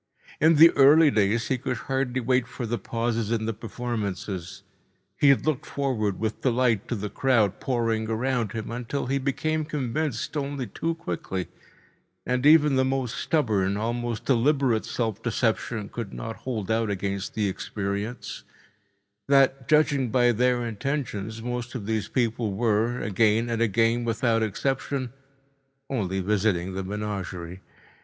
In the early days he could hardly wait for the pauses in the performances. He had looked forward with delight to the crowd pouring around him, until he became convinced only too quickly—and even the most stubborn, almost deliberate self deception could not hold out against the experience—that, judging by their intentions, most of these people were, again and again without exception, only visiting the menagerie.